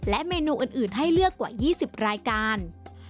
เมนูอื่นให้เลือกกว่า๒๐รายการ